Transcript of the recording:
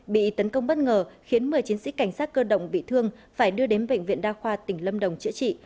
bị tấn công bất ngờ khiến một mươi chiến sĩ cảnh sát cơ động bị thương phải đưa đến bệnh viện đa khoa tỉnh lâm đồng chữa trị